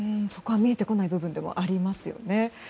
そこは見えてこない部分でもありますよね。